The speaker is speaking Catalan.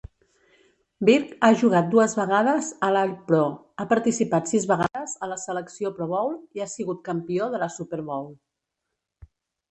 Birk ha jugat dues vegades a l'All-Pro, ha participat sis vegades a la selecció Pro Bowl i ha sigut campió de la Super Bowl.